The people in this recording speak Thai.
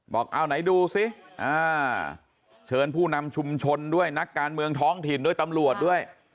บอกเอาไหนดูสิเชิญผู้นำชุมชนด้วยนักการเมืองท้องถิ่นด้วยตำรวจด้วย